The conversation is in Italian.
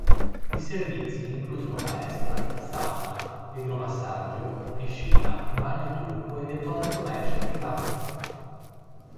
I servizi includono palestra, sauna, idromassaggio, piscina, bagno turco e deposito merci privato.